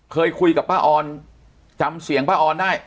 เคยคุยกับป้าออนจำเสียงป้าออนได้